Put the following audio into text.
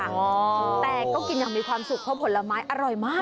แต่ก็กินอย่างมีความสุขเพราะผลไม้อร่อยมาก